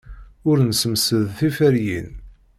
Ur nessemsed tiferyin.